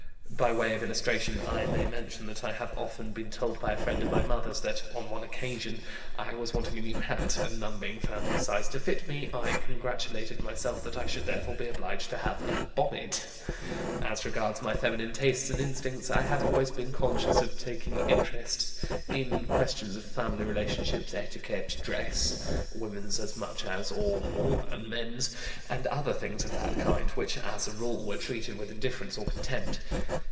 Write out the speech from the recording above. By way of illustration, I may mention that I have often been told by a friend of my mother's that, on one occasion, I was wanting a new hat, and none being found of a size to fit me, I congratulated myself that I should therefore be obliged to have a bonnet! As regards my feminine tastes and instincts, I have always been conscious of taking interest in questions of family relationships, etiquette, dress (women's as much as, or more than, men's) and other things of that kind, which, as a rule, were treated with indifference or contempt.